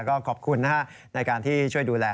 ก็ขอบคุณในการที่ช่วยดูแล